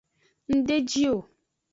Ng de ji o.